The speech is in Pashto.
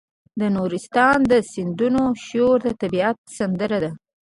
د نورستان د سیندونو شور د طبیعت سندره ده.